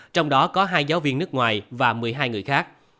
trong đó có hai giáo viên nước ngoài và một mươi hai người khác